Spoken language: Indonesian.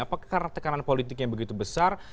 apakah karena tekanan politiknya begitu besar